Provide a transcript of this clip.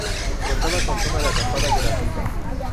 Contaba con zona de acampada gratuita.